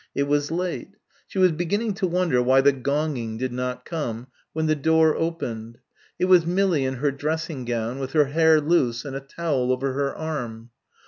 It was late. She was beginning to wonder why the gonging did not come when the door opened. It was Millie in her dressing gown, with her hair loose and a towel over her arm.